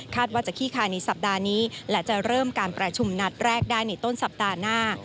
ว่าจะขี้คายในสัปดาห์นี้และจะเริ่มการประชุมนัดแรกได้ในต้นสัปดาห์หน้า